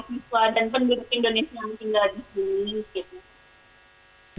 siswa dan penduduk indonesia yang tinggal di sini gitu